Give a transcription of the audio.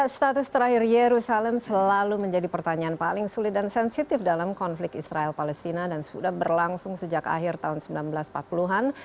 status terakhir yerusalem selalu menjadi pertanyaan paling sulit dan sensitif dalam konflik israel palestina dan sudah berlangsung sejak akhir tahun seribu sembilan ratus empat puluh an